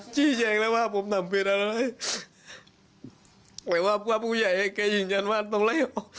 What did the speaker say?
พี่เจ้าขอบคำถามที่ว่าท่านจะไปอยู่ไหนล่ะ